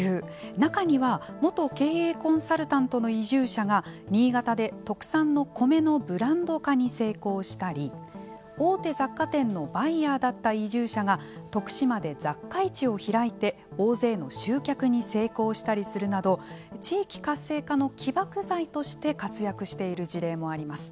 中には元経営コンサルタントの移住者が新潟で特産の米のブランド化に成功したり大手雑貨店のバイヤーだった移住者が徳島で雑貨市を開いて大勢の集客に成功したりするなど地域活性化の起爆剤として活躍している事例もあります。